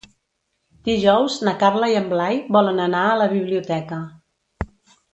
Dijous na Carla i en Blai volen anar a la biblioteca.